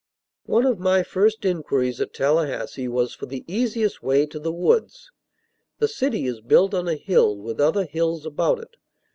One of my first inquiries at Tallahassee was for the easiest way to the woods. The city is built on a hill, with other hills about it.